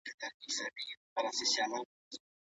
مرۍ خرابوي.